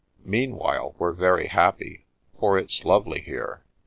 Meanwhile, we're very happy, for it's lovely here."